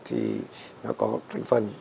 thì nó có thành phần